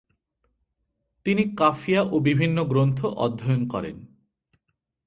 তিনি কাফিয়া ও বিভিন্ন গ্রন্থ অধ্যয়ন করেন।